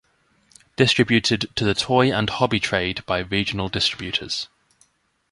Distributed to the toy and hobby trade by regional distributors.